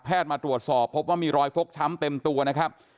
มาตรวจสอบพบว่ามีรอยฟกช้ำเต็มตัวนะครับ